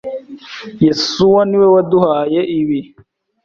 Yesuwa niwe waduhaye ibi.